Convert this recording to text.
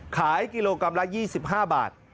ขายกิโลกรัมละ๒๕บาท